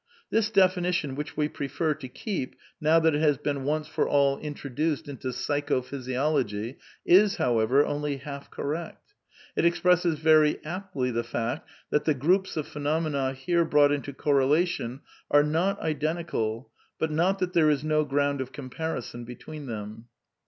This definition, which we prefer to keep now that it has been once for all intro duced into psycho physiology is, however, only half correct. It expresses very aptly the fact that the groups of phenomena here brought into correlation are not identical, but not that there is no groimd of comparison between them."